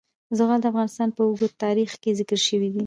زغال د افغانستان په اوږده تاریخ کې ذکر شوی دی.